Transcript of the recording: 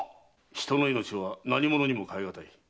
人の命は何ものにも代えがたい。